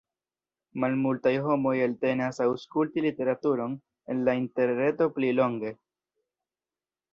Malmultaj homoj eltenas aŭskulti literaturon en la interreto pli longe.